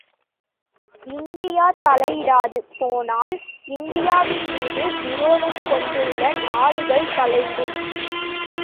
India தலையிடாது போனால், இந்தியாவின்மீது விரோதம் கொண்டுள்ள நாடுகள் தலையிடும்.